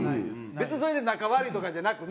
別にそれで仲悪いとかじゃなくね。